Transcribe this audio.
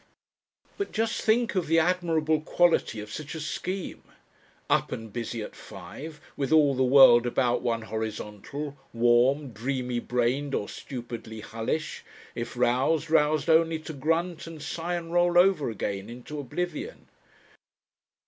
But just think of the admirable quality of such a scheme! Up and busy at five, with all the world about one horizontal, warm, dreamy brained or stupidly hullish, if roused, roused only to grunt and sigh and roll over again into oblivion.